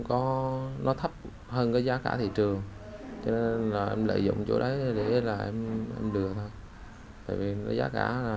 có nó thấp hơn cái giá cả thị trường cho nên là lợi dụng chỗ đấy để là em đưa thôi tại vì giá cả là